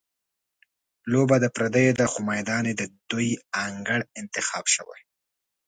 لوبه د پردیو ده، خو میدان یې د دوی انګړ انتخاب شوی.